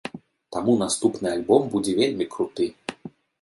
Таму наступны альбом будзе вельмі круты!